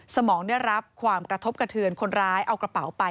สมองได้รับความกระทบกระเทือนคนร้ายเอากระเป๋าไป